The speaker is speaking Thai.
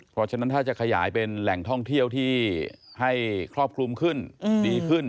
เพราะฉะนั้นถ้าจะขยายเป็นแหล่งท่องเที่ยวที่ให้ครอบคลุมขึ้นดีขึ้น